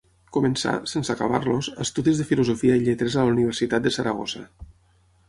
Començà -sense acabar-los- estudis de Filosofia i Lletres a la Universitat de Saragossa.